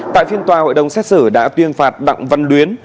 tại phiên tòa hội đồng xét xử đã tuyên phạt đặng văn luyến